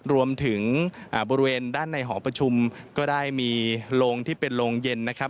รวมถึงบริเวณด้านในหอประชุมก็ได้มีโรงที่เป็นโรงเย็นนะครับ